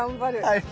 はい。